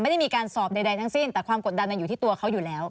ไม่ได้มีการสอบใดทั้งสิ้นแต่ความกดดันอยู่ที่ตัวเขาอยู่แล้ว